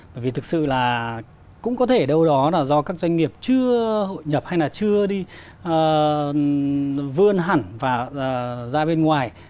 bởi vì thực sự là cũng có thể đâu đó là do các doanh nghiệp chưa hội nhập hay là chưa vươn hẳn và ra bên ngoài